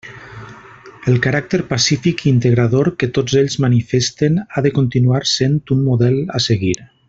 El caràcter pacífic i integrador que tots ells manifesten ha de continuar sent un model a seguir.